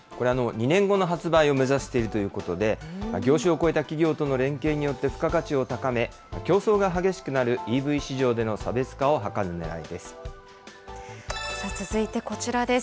２年後の発売を目指しているということで、業種を超えた企業との連携によって、付加価値を高め、競争が激しくなるＥＶ市場での差別化を図るねらいです。